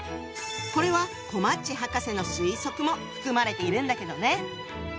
これはこまっち博士の推測も含まれているんだけどね。